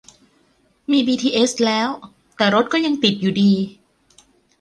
มีบีทีเอสแล้ว แต่รถก็ยังติดอยู่ดี